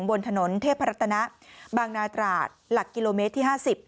บนถนนเทพรัตนะบางนาตราดหลักกิโลเมตรที่๕๐